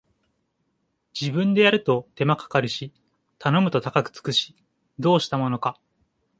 自分でやると手間かかるし頼むと高くつくし、どうしたものか